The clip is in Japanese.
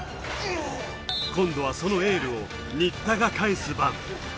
今度はそのエールを新田が返す番。